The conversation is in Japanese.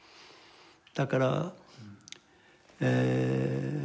だからえ